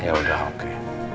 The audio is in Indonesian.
ya udah oke